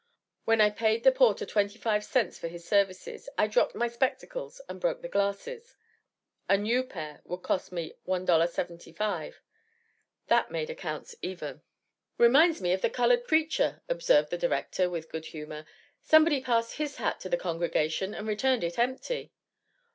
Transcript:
When I paid the porter 25 cents for his services, I dropped my spectacles and broke the glasses. A new pair would cost me $1.75. That made accounts even. "Reminds me of the colored preacher," observed the director with good humor; "somebody passed his hat to the congregation and returned it empty.